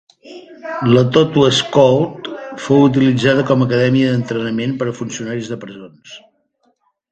La Tortworth Court fou utilitzada com a acadèmia d'entrenament per a funcionaris de presons.